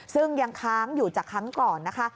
ซึ่งยังค้างอยู่จากครั้งก่อนนะคะ